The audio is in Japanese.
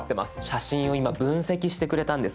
写真を今分析してくれたんです。